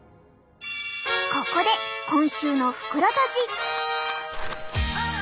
ここで今週の袋とじ！